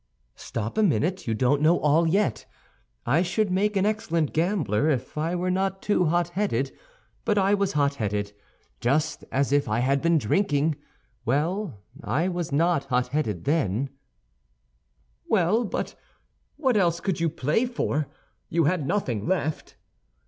"Stop a minute; you don't know all yet. I should make an excellent gambler if I were not too hot headed; but I was hot headed, just as if I had been drinking. Well, I was not hot headed then—" "Well, but what else could you play for? You had nothing left?"